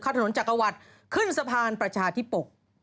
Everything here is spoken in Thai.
ถนนจักรวรรดิขึ้นสะพานประชาธิปก